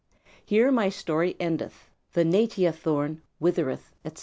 Here my story endeth, The Natiya thorn withereth, etc.